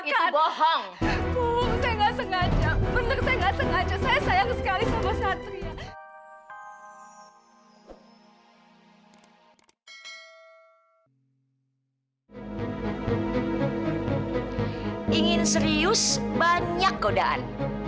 ingin serius banyak kodaan